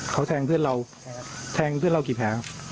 เขาแทงเพื่อนเราแทงเพื่อนเรากี่แผล